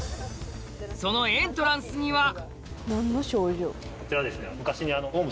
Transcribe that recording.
そのエントランスにはこちらはですね昔。